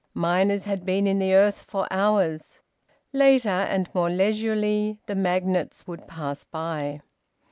Miners had been in the earth for hours. Later, and more leisurely, the magnates would pass by.